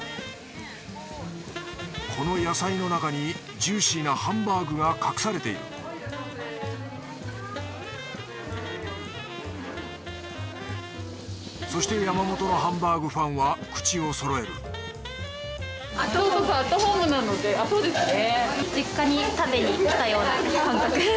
この野菜の中にジューシーなハンバーグが隠されているそして山本のハンバーグファンは口を揃えるそうですね。